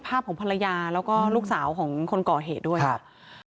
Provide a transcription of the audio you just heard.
นี่โตมาแล้วมาโดนแบบนี้